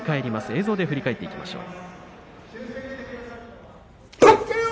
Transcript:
映像で振り返っていきましょう。